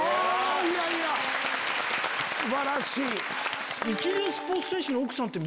いやいや素晴らしい！